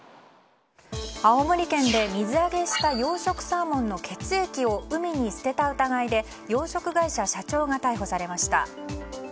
青森県で水揚げした養殖サーモンの血液を海に捨てた疑いで養殖会社社長が逮捕されました。